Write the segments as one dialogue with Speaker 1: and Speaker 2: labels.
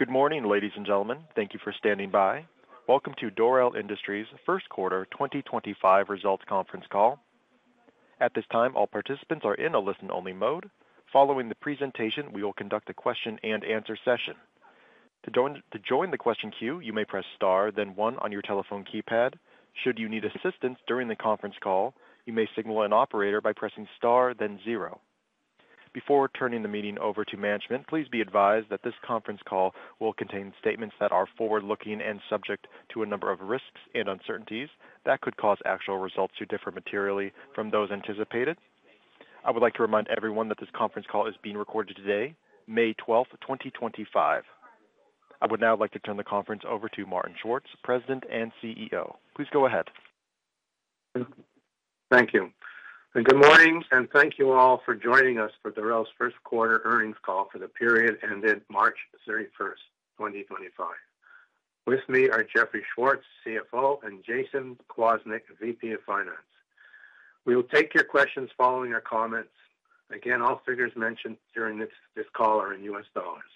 Speaker 1: Good morning, ladies and gentlemen. Thank you for standing by. Welcome to Dorel Industries' First Quarter 2025 Results Conference Call. At this time, all participants are in a listen-only mode. Following the presentation, we will conduct a question-and-answer session. To join the question queue, you may press star, then one on your telephone keypad. Should you need assistance during the conference call, you may signal an operator by pressing star, then zero. Before turning the meeting over to management, please be advised that this conference call will contain statements that are forward-looking and subject to a number of risks and uncertainties that could cause actual results to differ materially from those anticipated. I would like to remind everyone that this conference call is being recorded today, May 12th, 2025. I would now like to turn the conference over to Martin Schwartz, President and CEO. Please go ahead.
Speaker 2: Thank you. Good morning, and thank you all for joining us for Dorel's First Quarter Earnings Call for the period ended March 31, 2025. With me are Jeffrey Schwartz, CFO, and Jason Kwasnik, VP of Finance. We will take your questions following our comments. Again, all figures mentioned during this call are in US dollars.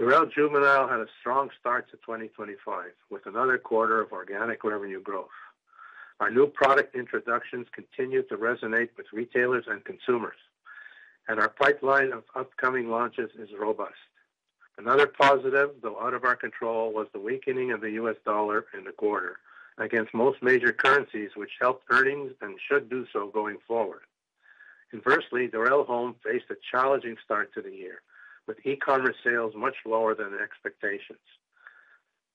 Speaker 2: Dorel Juvenile had a strong start to 2025 with another quarter of organic revenue growth. Our new product introductions continue to resonate with retailers and consumers, and our pipeline of upcoming launches is robust. Another positive, though out of our control, was the weakening of the US dollar in the quarter against most major currencies, which helped earnings and should do so going forward. Inversely, Dorel Home faced a challenging start to the year, with e-commerce sales much lower than expectations.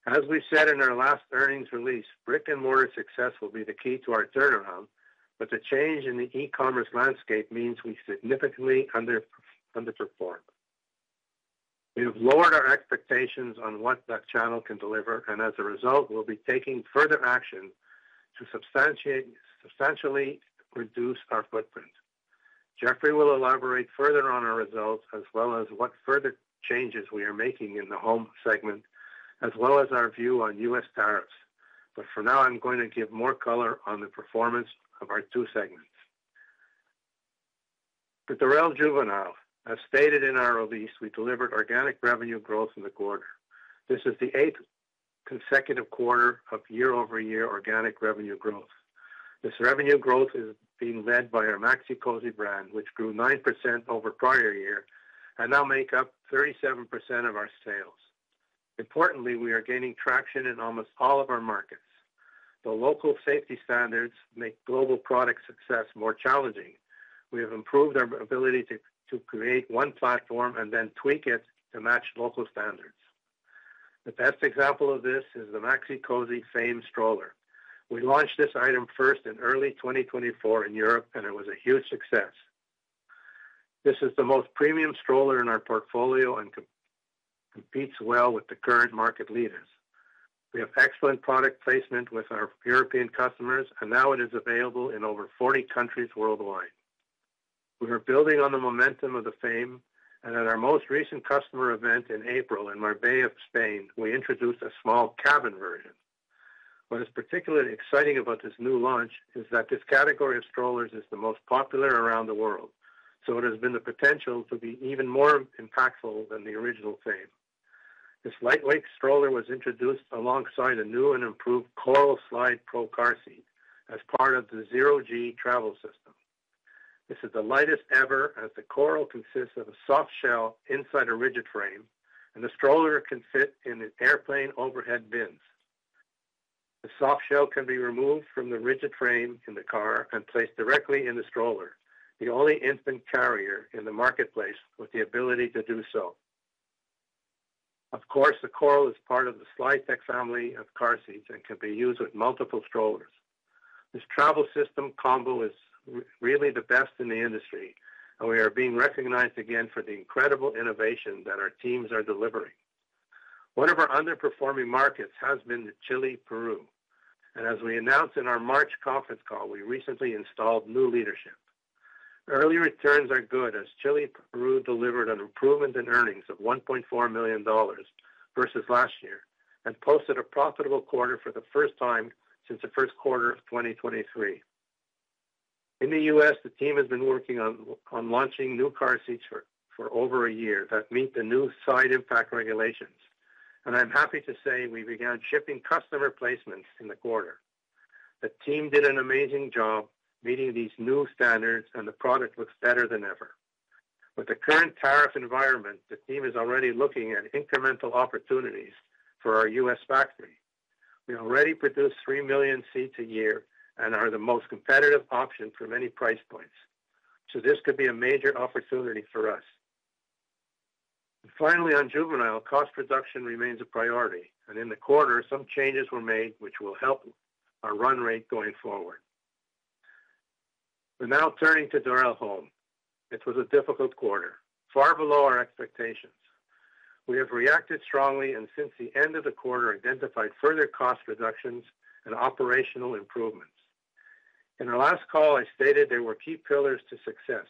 Speaker 2: As we said in our last earnings release, brick-and-mortar success will be the key to our turnaround, but the change in the e-commerce landscape means we significantly underperform. We have lowered our expectations on what that channel can deliver, and as a result, we'll be taking further action to substantially reduce our footprint. Jeffrey will elaborate further on our results, as well as what further changes we are making in the home segment, as well as our view on U.S. tariffs. For now, I'm going to give more color on the performance of our two segments. For Dorel Juvenile, as stated in our release, we delivered organic revenue growth in the quarter. This is the eighth consecutive quarter of year-over-year organic revenue growth. This revenue growth is being led by our Maxi-Cosi brand, which grew 9% over prior year and now makes up 37% of our sales. Importantly, we are gaining traction in almost all of our markets. Though local safety standards make global product success more challenging, we have improved our ability to create one platform and then tweak it to match local standards. The best example of this is the Maxi-Cosi Fame stroller. We launched this item first in early 2024 in Europe, and it was a huge success. This is the most premium stroller in our portfolio and competes well with the current market leaders. We have excellent product placement with our European customers, and now it is available in over 40 countries worldwide. We are building on the momentum of the Fame, and at our most recent customer event in April in Marbella, Spain, we introduced a small cabin version. What is particularly exciting about this new launch is that this category of strollers is the most popular around the world, so it has the potential to be even more impactful than the original Fame. This lightweight stroller was introduced alongside a new and improved Coral Slide Pro car seat as part of the Zero-G travel system. This is the lightest ever, as the Coral consists of a soft shell inside a rigid frame, and the stroller can fit in airplane overhead bins. The soft shell can be removed from the rigid frame in the car and placed directly in the stroller, the only infant carrier in the marketplace with the ability to do so. Of course, the Coral is part of the SlideTech family of car seats and can be used with multiple strollers. This travel system combo is really the best in the industry, and we are being recognized again for the incredible innovation that our teams are delivering. One of our underperforming markets has been Chile, Peru, and as we announced in our March conference call, we recently installed new leadership. Early returns are good, as Chile and Peru delivered an improvement in earnings of $1.4 million versus last year and posted a profitable quarter for the first time since the first quarter of 2023. In the U.S., the team has been working on launching new car seats for over a year that meet the new side impact regulations, and I'm happy to say we began shipping customer placements in the quarter. The team did an amazing job meeting these new standards, and the product looks better than ever. With the current tariff environment, the team is already looking at incremental opportunities for our U.S. factory. We already produce 3 million seats a year and are the most competitive option for many price points, so this could be a major opportunity for us. Finally, on Juvenile, cost reduction remains a priority, and in the quarter, some changes were made which will help our run rate going forward. We are now turning to Dorel Home. It was a difficult quarter, far below our expectations. We have reacted strongly and, since the end of the quarter, identified further cost reductions and operational improvements. In our last call, I stated there were key pillars to success,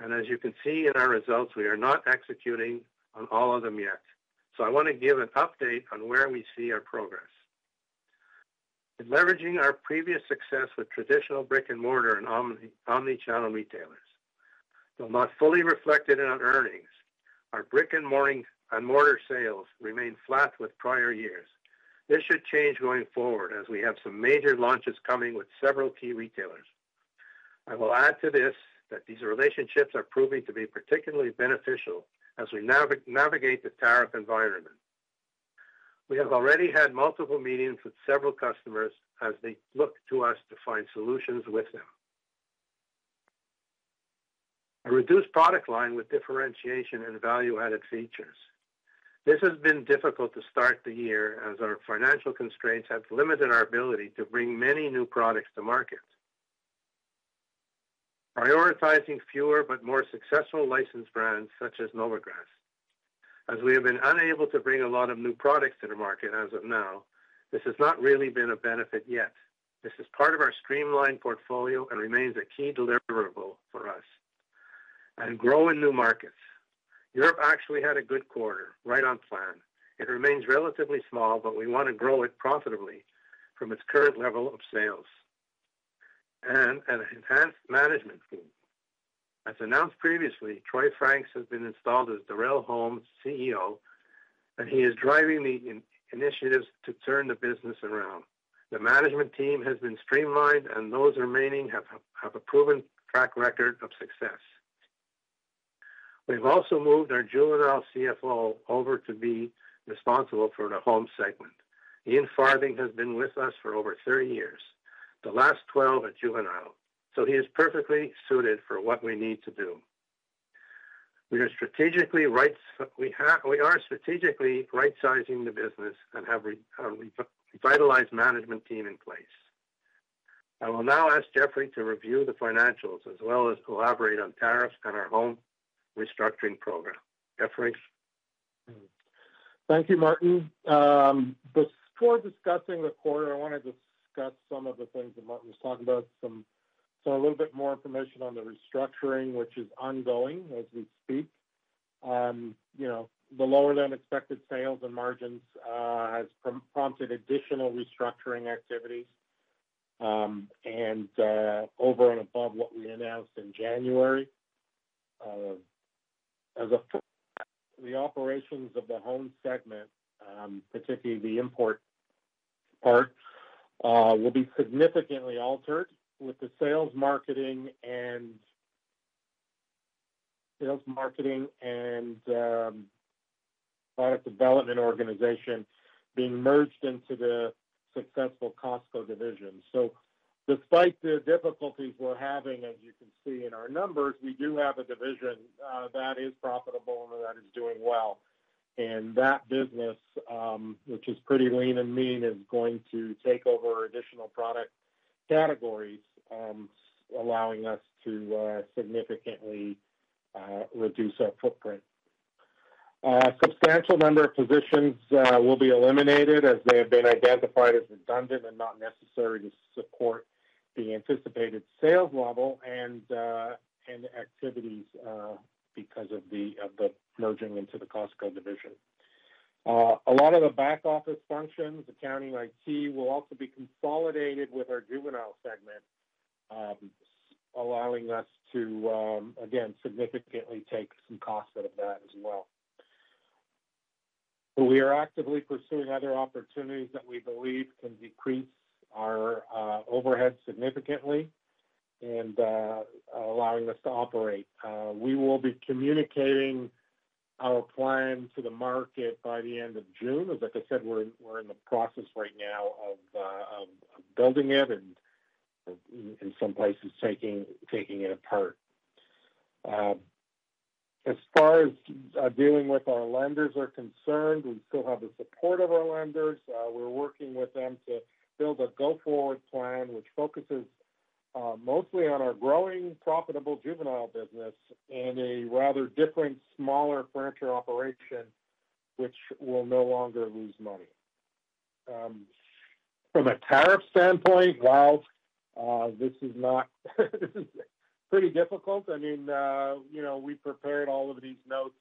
Speaker 2: and as you can see in our results, we are not executing on all of them yet, so I want to give an update on where we see our progress. In leveraging our previous success with traditional brick-and-mortar and omnichannel retailers, though not fully reflected in our earnings, our brick-and-mortar sales remain flat with prior years. This should change going forward as we have some major launches coming with several key retailers. I will add to this that these relationships are proving to be particularly beneficial as we navigate the tariff environment. We have already had multiple meetings with several customers as they look to us to find solutions with them. A reduced product line with differentiation and value-added features. This has been difficult to start the year as our financial constraints have limited our ability to bring many new products to market. Prioritizing fewer but more successful licensed brands such as Novagrass. As we have been unable to bring a lot of new products to the market as of now, this has not really been a benefit yet. This is part of our streamlined portfolio and remains a key deliverable for us. We grow in new markets. Europe actually had a good quarter, right on plan. It remains relatively small, but we want to grow it profitably from its current level of sales. We have an enhanced management team. As announced previously, Troy Franks has been installed as Dorel Home's CEO, and he is driving the initiatives to turn the business around. The management team has been streamlined, and those remaining have a proven track record of success. We have also moved our Juvenile CFO over to be responsible for the home segment. Ian Farthing has been with us for over 30 years, the last 12 at Juvenile, so he is perfectly suited for what we need to do. We are strategically right-sizing the business and have a revitalized management team in place. I will now ask Jeffrey to review the financials as well as elaborate on tariffs and our home restructuring program. Jeffrey?
Speaker 3: Thank you, Martin. Before discussing the quarter, I wanted to discuss some of the things that Martin was talking about, some a little bit more information on the restructuring, which is ongoing as we speak. The lower-than-expected sales and margins have prompted additional restructuring activities over and above what we announced in January. The operations of the home segment, particularly the import part, will be significantly altered with the sales, marketing, and product development organization being merged into the successful Costco division. Despite the difficulties we're having, as you can see in our numbers, we do have a division that is profitable and that is doing well. That business, which is pretty lean and mean, is going to take over additional product categories, allowing us to significantly reduce our footprint. A substantial number of positions will be eliminated as they have been identified as redundant and not necessary to support the anticipated sales level and activities because of the merging into the Costco division. A lot of the back-office functions, accounting, IT, will also be consolidated with our Juvenile segment, allowing us to, again, significantly take some costs out of that as well. We are actively pursuing other opportunities that we believe can decrease our overhead significantly and allowing us to operate. We will be communicating our plan to the market by the end of June. As I said, we're in the process right now of building it and, in some places, taking it apart. As far as dealing with our lenders is concerned, we still have the support of our lenders. We're working with them to build a go-forward plan, which focuses mostly on our growing profitable Juvenile business and a rather different, smaller furniture operation, which will no longer lose money. From a tariff standpoint, while this is not pretty difficult, I mean, we prepared all of these notes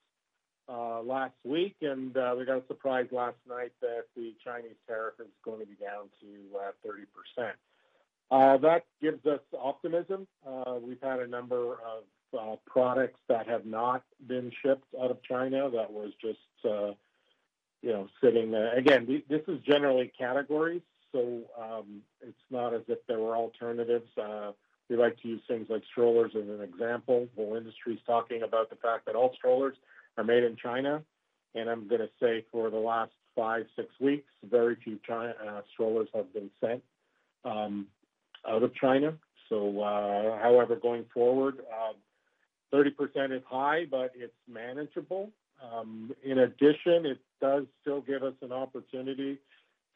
Speaker 3: last week, and we got a surprise last night that the Chinese tariff is going to be down to 30%. That gives us optimism. We've had a number of products that have not been shipped out of China that were just sitting there. Again, this is generally categories, so it's not as if there were alternatives. We like to use things like strollers as an example. Whole industry is talking about the fact that all strollers are made in China, and I'm going to say for the last five, six weeks, very few strollers have been sent out of China. However, going forward, 30% is high, but it's manageable. In addition, it does still give us an opportunity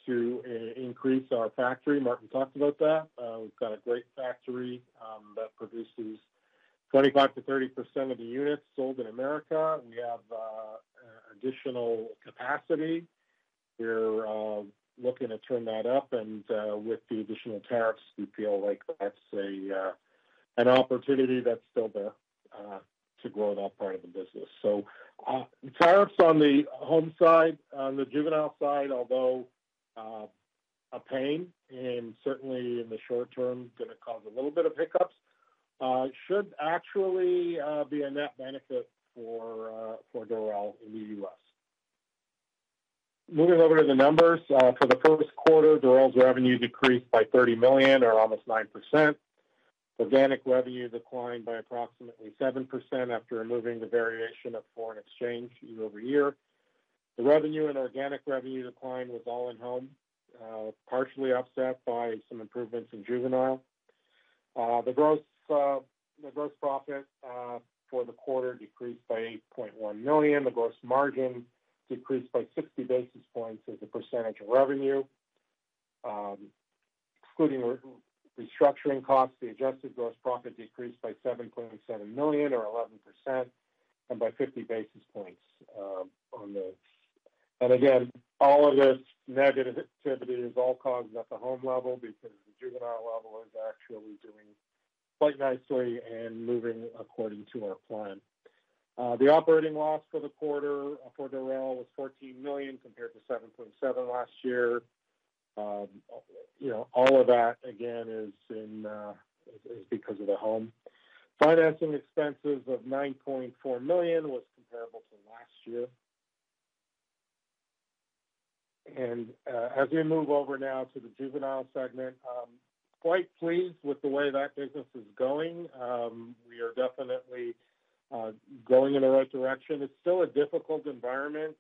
Speaker 3: to increase our factory. Martin talked about that. We've got a great factory that produces 25%-30% of the units sold in America. We have additional capacity. We're looking to turn that up, and with the additional tariffs, we feel like that's an opportunity that's still there to grow that part of the business. Tariffs on the home side, on the Juvenile side, although a pain and certainly in the short term, going to cause a little bit of hiccups, should actually be a net benefit for Dorel in the U.S. Moving over to the numbers. For the first quarter, Dorel's revenue decreased by $30 million or almost 9%. Organic revenue declined by approximately 7% after removing the variation of foreign exchange year over year. The revenue and organic revenue decline was all in Home, partially offset by some improvements in Juvenile. The gross profit for the quarter decreased by $8.1 million. The gross margin decreased by 60 basis points as a percentage of revenue. Excluding restructuring costs, the adjusted gross profit decreased by $7.7 million or 11% and by 50 basis points. All of this negativity is all caused at the Home level because the Juvenile level is actually doing quite nicely and moving according to our plan. The operating loss for the quarter for Dorel was $14 million compared to $7.7 million last year. All of that, again, is because of the Home. Financing expenses of $9.4 million was comparable to last year. As we move over now to the Juvenile segment, quite pleased with the way that business is going. We are definitely going in the right direction. It's still a difficult environment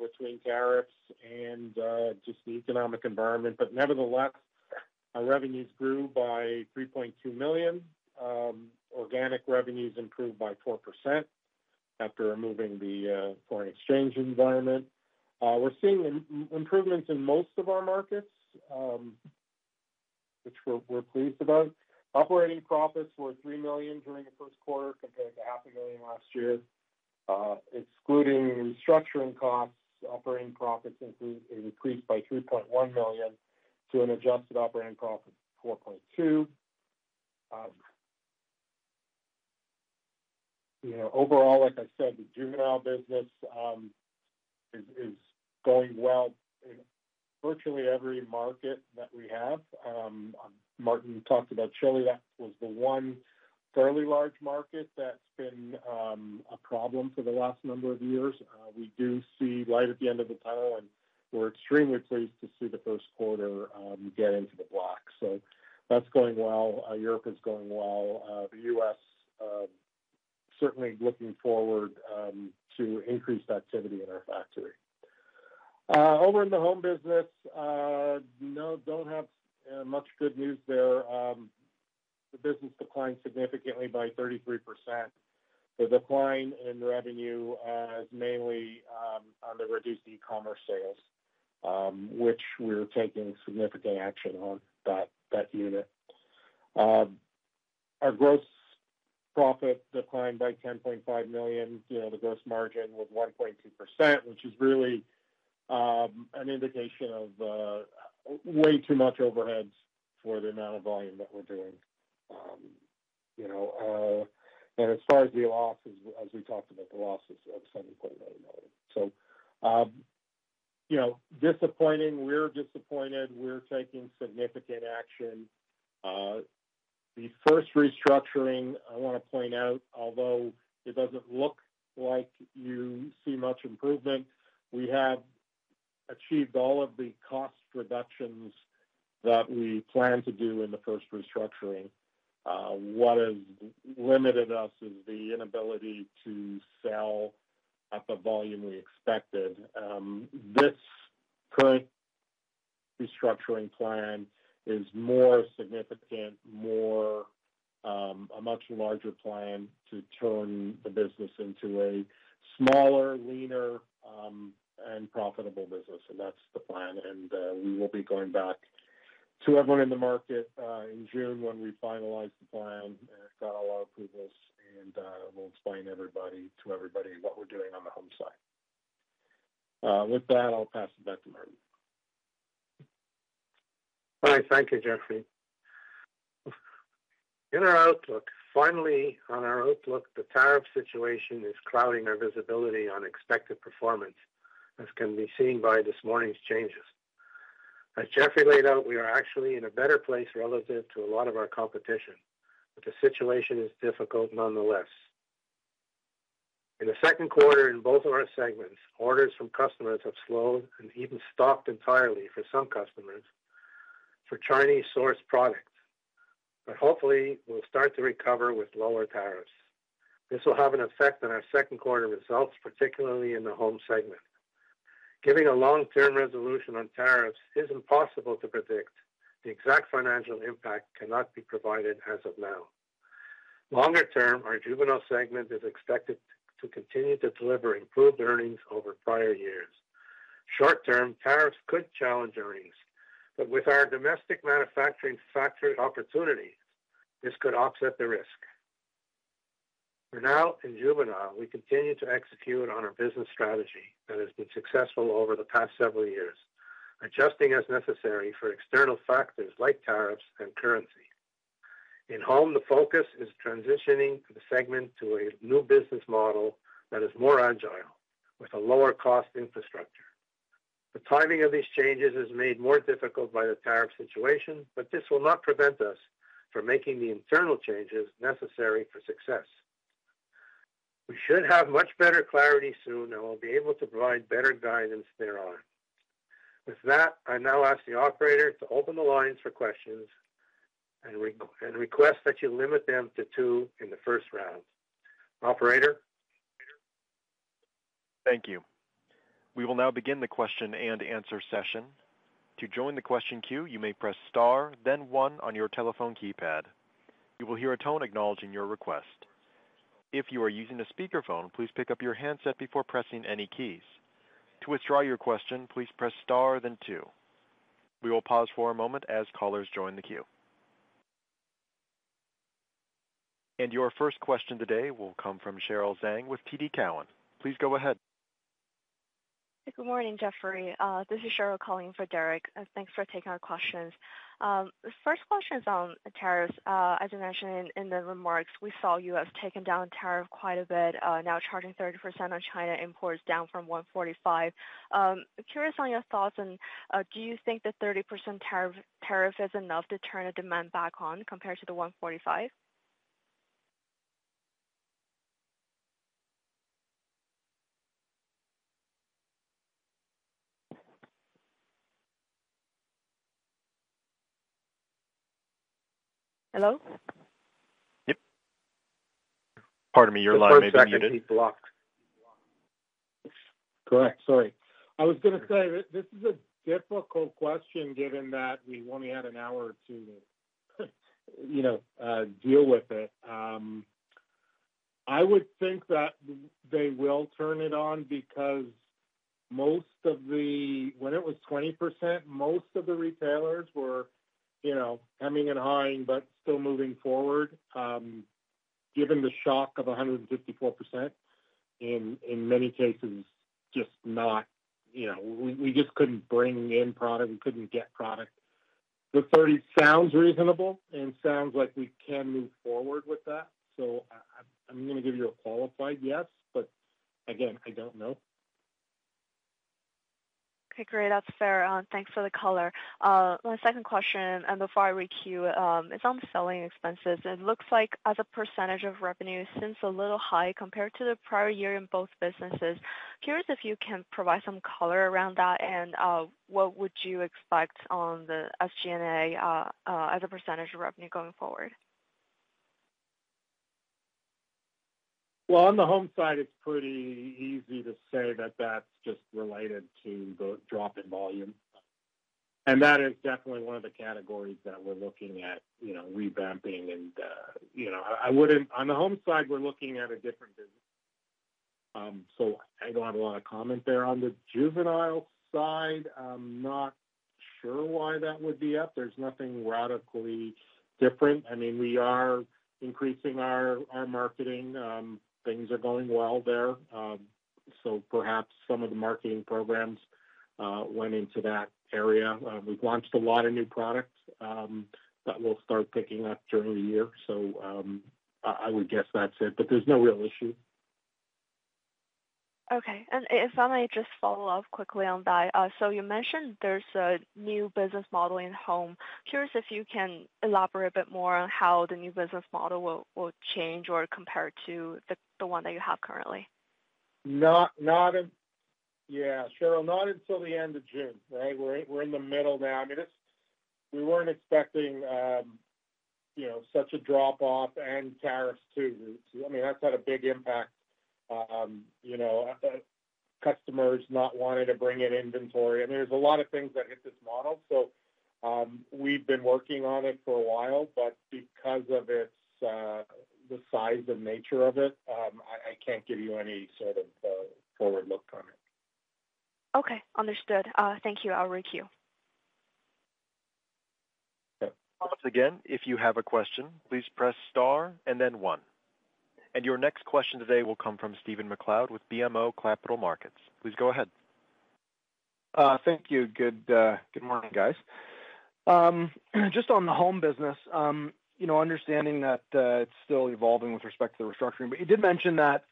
Speaker 3: between tariffs and just the economic environment, but nevertheless, our revenues grew by $3.2 million. Organic revenues improved by 4% after removing the foreign exchange environment. We're seeing improvements in most of our markets, which we're pleased about. Operating profits were $3 million during the first quarter compared to $500,000 last year. Excluding restructuring costs, operating profits increased by $3.1 million to an adjusted operating profit of $4.2 million. Overall, like I said, the Juvenile business is going well in virtually every market that we have. Martin talked about Chile. That was the one fairly large market that's been a problem for the last number of years. We do see light at the end of the tunnel, and we're extremely pleased to see the first quarter get into the block. That's going well. Europe is going well. The U.S., certainly looking forward to increased activity in our factory. Over in the home business, do not have much good news there. The business declined significantly by 33%. The decline in revenue is mainly on the reduced e-commerce sales, which we are taking significant action on that unit. Our gross profit declined by $10.5 million. The gross margin was 1.2%, which is really an indication of way too much overhead for the amount of volume that we are doing. As far as the losses, as we talked about the losses of $7.9 million. Disappointing. We are disappointed. We are taking significant action. The first restructuring, I want to point out, although it does not look like you see much improvement, we have achieved all of the cost reductions that we plan to do in the first restructuring. What has limited us is the inability to sell at the volume we expected. This current restructuring plan is more significant, a much larger plan to turn the business into a smaller, leaner, and profitable business. That is the plan. We will be going back to everyone in the market in June when we finalize the plan and got all our approvals, and we will explain to everybody what we are doing on the home side. With that, I will pass it back to Martin.
Speaker 2: All right. Thank you, Jeffrey. In our outlook, finally, on our outlook, the tariff situation is clouding our visibility on expected performance, as can be seen by this morning's changes. As Jeffrey laid out, we are actually in a better place relative to a lot of our competition, but the situation is difficult nonetheless. In the second quarter, in both of our segments, orders from customers have slowed and even stopped entirely for some customers for Chinese-sourced products. Hopefully, we'll start to recover with lower tariffs. This will have an effect on our second quarter results, particularly in the home segment. Giving a long-term resolution on tariffs is impossible to predict. The exact financial impact cannot be provided as of now. Longer term, our Juvenile segment is expected to continue to deliver improved earnings over prior years. Short term, tariffs could challenge earnings. With our domestic manufacturing factory opportunity, this could offset the risk. For now, in Juvenile, we continue to execute on our business strategy that has been successful over the past several years, adjusting as necessary for external factors like tariffs and currency. In Home, the focus is transitioning the segment to a new business model that is more agile with a lower-cost infrastructure. The timing of these changes is made more difficult by the tariff situation, but this will not prevent us from making the internal changes necessary for success. We should have much better clarity soon, and we'll be able to provide better guidance thereon. With that, I now ask the operator to open the lines for questions and request that you limit them to two in the first round. Operator?
Speaker 1: Thank you. We will now begin the question and answer session. To join the question queue, you may press star, then one on your telephone keypad. You will hear a tone acknowledging your request. If you are using a speakerphone, please pick up your handset before pressing any keys. To withdraw your question, please press star, then two. We will pause for a moment as callers join the queue. Your first question today will come from Cheryl Zhang with TD Cowen. Please go ahead.
Speaker 4: Good morning, Jeffrey. This is Cheryl calling for Derek. Thanks for taking our questions. The first question is on tariffs. As you mentioned in the remarks, we saw U.S. taking down tariff quite a bit, now charging 30% on China imports, down from 145%. Curious on your thoughts. Do you think the 30% tariff is enough to turn the demand back on compared to the 145%? Hello?
Speaker 1: Yep. Pardon me. Your line may be muted.
Speaker 3: Sorry. I was going to say, this is a difficult question given that we've only had an hour or two to deal with it. I would think that they will turn it on because most of the when it was 20%, most of the retailers were hemming and hawing but still moving forward given the shock of 154%. In many cases, we just couldn't bring in product. We couldn't get product. The 30% sounds reasonable, and it sounds like we can move forward with that. I'm going to give you a qualified yes, but again, I don't know.
Speaker 4: Okay. Great. That's fair. Thanks for the color. My second question on the far right queue is on selling expenses. It looks like, as a percentage of revenue, it seems a little high compared to the prior year in both businesses. Curious if you can provide some color around that and what would you expect on the SG&A as a percentage of revenue going forward.
Speaker 3: On the home side, it's pretty easy to say that that's just related to the drop in volume. That is definitely one of the categories that we're looking at revamping. On the home side, we're looking at a different business. I don't have a lot of comment there. On the Juvenile side, I'm not sure why that would be up. There's nothing radically different. I mean, we are increasing our marketing. Things are going well there. Perhaps some of the marketing programs went into that area. We've launched a lot of new products that will start picking up during the year. I would guess that's it, but there's no real issue.
Speaker 4: Okay. If I may just follow up quickly on that. You mentioned there is a new business model in home. Curious if you can elaborate a bit more on how the new business model will change or compare to the one that you have currently.
Speaker 3: Yeah. Cheryl, not until the end of June, right? We're in the middle now. I mean, we weren't expecting such a drop-off and tariffs too. I mean, that's had a big impact. Customers not wanting to bring in inventory. I mean, there's a lot of things that hit this model. So we've been working on it for a while, but because of the size and nature of it, I can't give you any sort of forward look on it.
Speaker 4: Okay. Understood. Thank you. I'll re-queue.
Speaker 1: Once again, if you have a question, please press star and then one. Your next question today will come from Stephen McLeod with BMO Capital Markets. Please go ahead.
Speaker 5: Thank you. Good morning, guys. Just on the home business, understanding that it's still evolving with respect to the restructuring, but you did mention that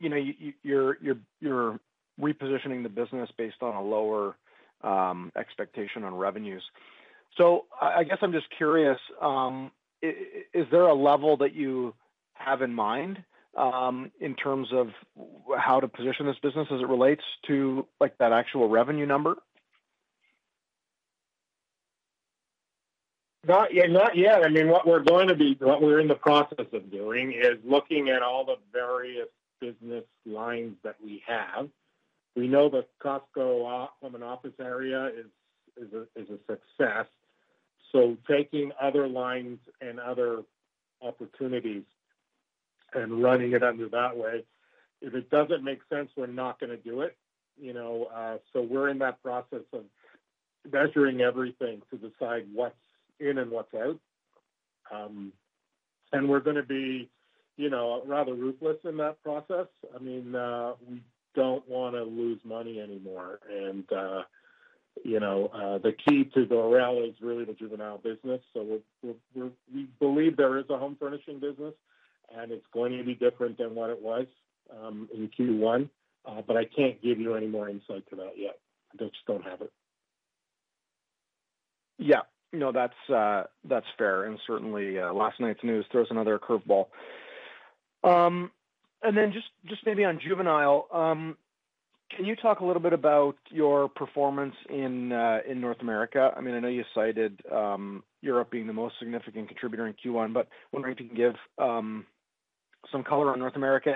Speaker 5: you're repositioning the business based on a lower expectation on revenues. I guess I'm just curious, is there a level that you have in mind in terms of how to position this business as it relates to that actual revenue number?
Speaker 2: Not yet. I mean, what we're going to be, what we're in the process of doing is looking at all the various business lines that we have. We know that Costco Home and Office area is a success. Taking other lines and other opportunities and running it under that way, if it doesn't make sense, we're not going to do it. We're in that process of measuring everything to decide what's in and what's out. We're going to be rather ruthless in that process. I mean, we don't want to lose money anymore. The key to Dorel is really the Juvenile business. We believe there is a home furnishing business, and it's going to be different than what it was in Q1. I can't give you any more insight to that yet. I just don't have it.
Speaker 6: Yeah. No, that's fair. Certainly, last night's news throws another curveball. Just maybe on Juvenile, can you talk a little bit about your performance in North America? I mean, I know you cited Europe being the most significant contributor in Q1, but wondering if you can give some color on North America.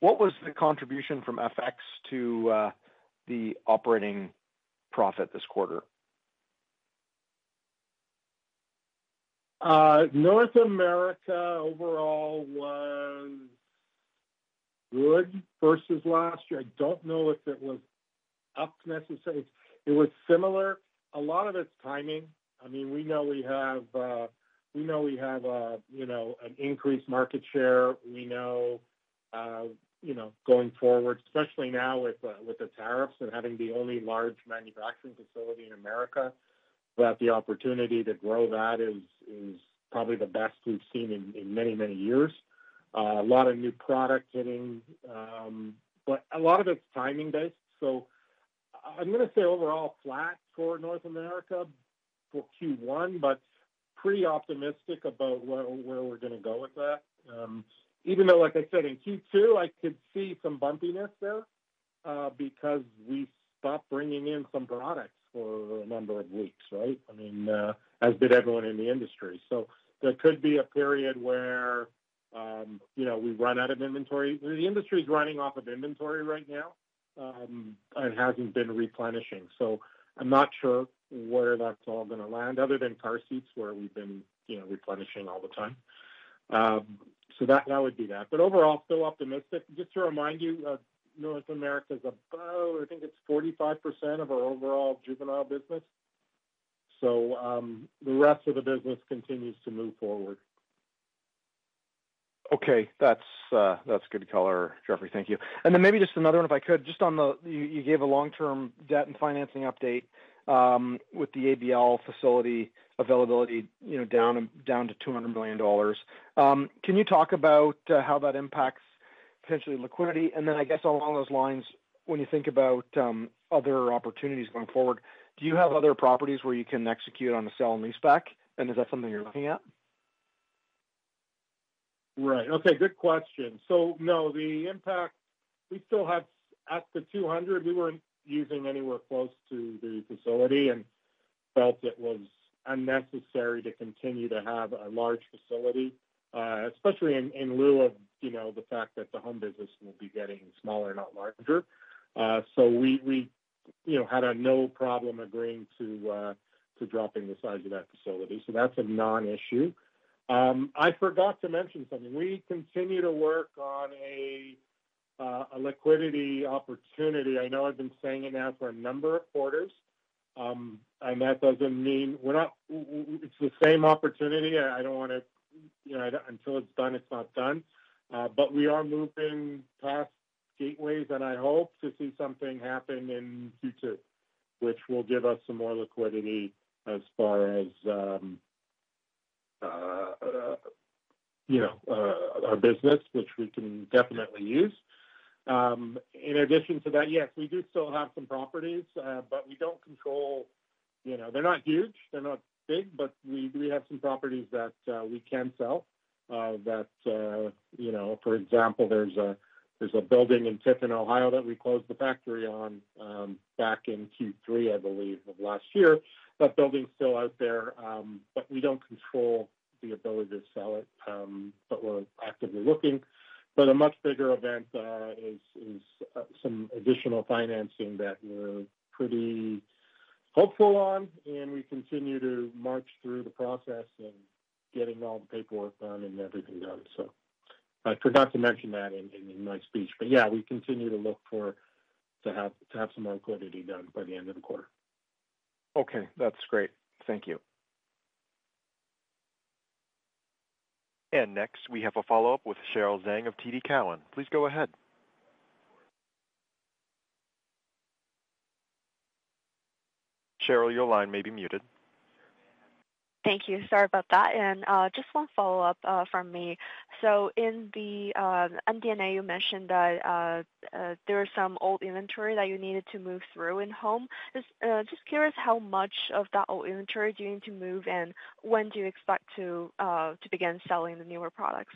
Speaker 6: What was the contribution from FX to the operating profit this quarter?
Speaker 3: North America overall was good versus last year. I don't know if it was up necessarily. It was similar. A lot of it's timing. I mean, we know we have an increased market share. We know going forward, especially now with the tariffs and having the only large manufacturing facility in the U.S., that the opportunity to grow that is probably the best we've seen in many, many years. A lot of new product hitting. A lot of it's timing-based. I'm going to say overall flat for North America for Q1, but pretty optimistic about where we're going to go with that. Even though, like I said, in Q2, I could see some bumpiness there because we stopped bringing in some products for a number of weeks, right? I mean, as did everyone in the industry. There could be a period where we run out of inventory. The industry is running off of inventory right now and has not been replenishing. I am not sure where that is all going to land other than car seats where we have been replenishing all the time. That would be that. Overall, still optimistic. Just to remind you, North America is about, I think it is 45% of our overall Juvenile business. The rest of the business continues to move forward.
Speaker 6: Okay. That's good color, Jeffrey. Thank you. Maybe just another one if I could. Just on the, you gave a long-term debt and financing update with the ABL facility availability down to $200 million. Can you talk about how that impacts potentially liquidity? I guess along those lines, when you think about other opportunities going forward, do you have other properties where you can execute on a sell and lease back? Is that something you're looking at?
Speaker 3: Right. Okay. Good question. No, the impact, we still have at the $200. We were not using anywhere close to the facility and felt it was unnecessary to continue to have a large facility, especially in lieu of the fact that the home business will be getting smaller, not larger. We had no problem agreeing to dropping the size of that facility. That is a non-issue. I forgot to mention something. We continue to work on a liquidity opportunity. I know I have been saying it now for a number of quarters. That does not mean we are not, it is the same opportunity. I do not want to, until it is done, it is not done. We are moving past gateways, and I hope to see something happen in Q2, which will give us some more liquidity as far as our business, which we can definitely use. In addition to that, yes, we do still have some properties, but we do not control—they are not huge. They are not big, but we have some properties that we can sell. For example, there is a building in Tiffin, Ohio, that we closed the factory on back in Q3, I believe, of last year. That building is still out there, but we do not control the ability to sell it, but we are actively looking. A much bigger event is some additional financing that we are pretty hopeful on. We continue to march through the process and getting all the paperwork done and everything done. I forgot to mention that in my speech. Yeah, we continue to look to have some more liquidity done by the end of the quarter.
Speaker 6: Okay. That's great. Thank you.
Speaker 1: Next, we have a follow-up with Cheryl Zhang of TD Cowen. Please go ahead. Cheryl, your line may be muted.
Speaker 4: Thank you. Sorry about that. Just one follow-up from me. In the MD&A, you mentioned that there was some old inventory that you needed to move through in Home. Just curious how much of that old inventory you need to move, and when you expect to begin selling the newer products?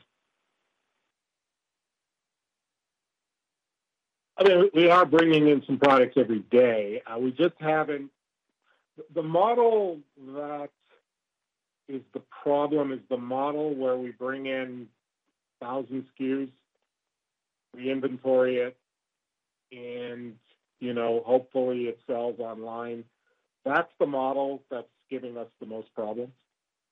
Speaker 2: I mean, we are bringing in some products every day. We just have not—the model that is the problem is the model where we bring in 1,000 SKUs, reinventory it, and hopefully it sells online. That is the model that is giving us the most problems.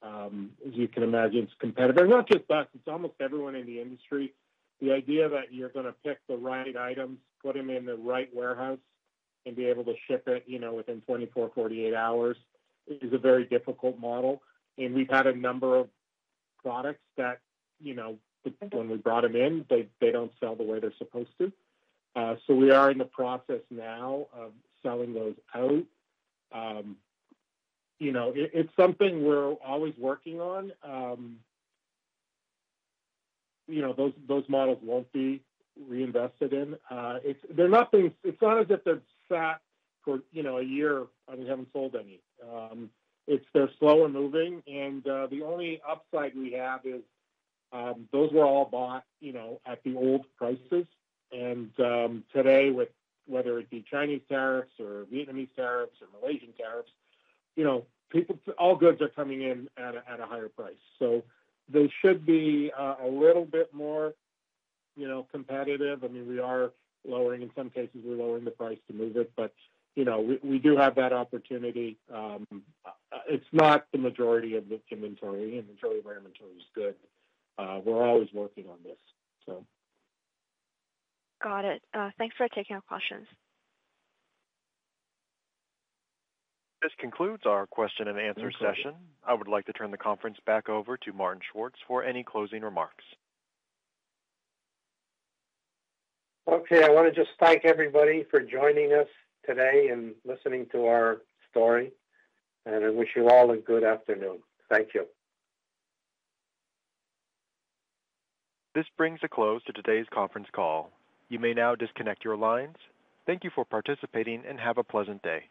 Speaker 2: As you can imagine, it is competitive. And not just us. It is almost everyone in the industry. The idea that you are going to pick the right items, put them in the right warehouse, and be able to ship it within 24-48 hours is a very difficult model. We have had a number of products that when we brought them in, they do not sell the way they are supposed to. We are in the process now of selling those out. It is something we are always working on. Those models will not be reinvested in. It is not as if they are sat for a year and we have not sold any. They're slower moving. The only upside we have is those were all bought at the old prices. Today, whether it be Chinese tariffs or Vietnamese tariffs or Malaysian tariffs, all goods are coming in at a higher price. They should be a little bit more competitive. I mean, we are lowering, in some cases, we're lowering the price to move it, but we do have that opportunity. It's not the majority of the inventory. The majority of our inventory is good. We're always working on this.
Speaker 4: Got it. Thanks for taking our questions.
Speaker 1: This concludes our question and answer session. I would like to turn the conference back over to Martin Schwartz for any closing remarks.
Speaker 2: Okay. I want to just thank everybody for joining us today and listening to our story. I wish you all a good afternoon. Thank you.
Speaker 1: This brings a close to today's conference call. You may now disconnect your lines. Thank you for participating and have a pleasant day.